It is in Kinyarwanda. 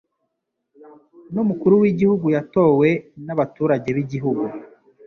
n'umukuru w'igihugu yatowe nabaturage bigihugu